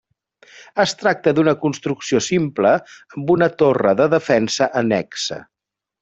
Es tracta d'una construcció simple amb una torre de defensa annexa.